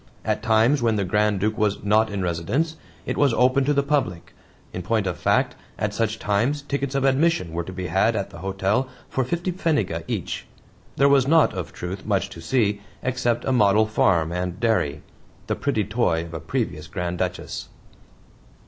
At times, when the Grand Duke was "not in residence," it was open to the public. In point of fact, at such times tickets of admission were to be had at the hotel for fifty pfennige each. There was not, of truth, much to see except a model farm and dairy the pretty toy of a previous Grand Duchess.